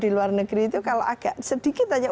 di luar negeri itu kalau agak sedikit aja